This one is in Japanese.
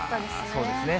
そうですね。